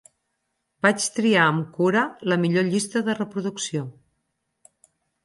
Vaig triar amb cura la millor llista de reproducció.